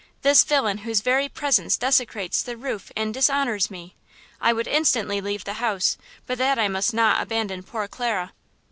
–this villain whose very presence desecrates the roof and dishonors me? I would instantly leave the house but that I must not abandon poor Clara.